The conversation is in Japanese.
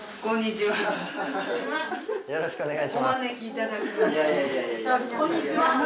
よろしくお願いします。